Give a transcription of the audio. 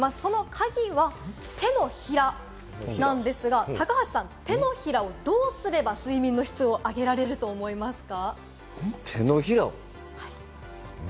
そのカギは手のひらなんですが、高橋さん、手のひらをどうすれば睡眠の質を上げられると思いますか？